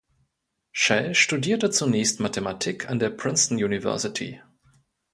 Shell studierte zunächst Mathematik an der Princeton University.